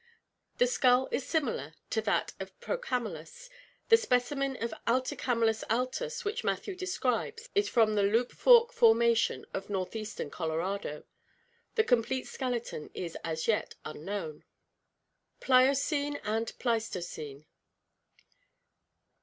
The skull is similar to that of Procamelus. The specimen of A Uicamelus alius which Matthew describes is from the Loup Fork formation of northeastern Colorado. The com plete skeleton is as yet unknown. Pliocene and Pleistocene.